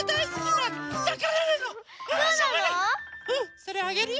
それあげるよ。